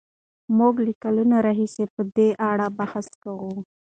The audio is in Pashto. موږ له کلونو راهیسې په دې اړه بحث کوو.